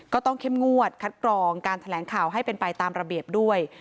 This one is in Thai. ก็ต้องเข้มงวดคัดกรองการแถลงข่าวให้เป็นไปตามระเบียบด้วย